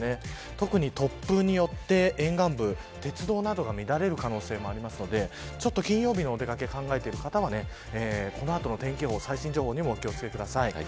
特に突風によって沿岸部鉄道などが乱れる可能性もあるので金曜日のお出掛けを考えている方はこの後の天気予報最新情報にもお気を付けください。